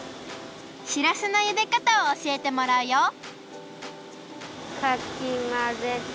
しらすのゆでかたをおしえてもらうよかきまぜて。